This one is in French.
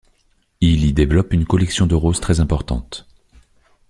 Il y développe une collection de roses très importante.